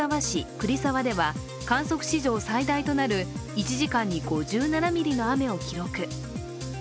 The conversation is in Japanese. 栗沢では観測史上最大となる１時間に５７ミリの雨を記録。